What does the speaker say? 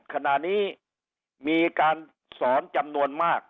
ขณะนี้มีการสอนจำนวนมาก